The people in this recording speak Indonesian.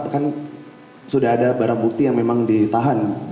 kan sudah ada barang bukti yang memang ditahan